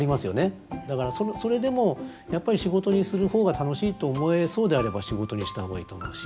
だからそれでもやっぱり仕事にする方が楽しいと思えそうであれば仕事にした方がいいと思うし。